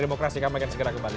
demokrasi kami akan segera kembali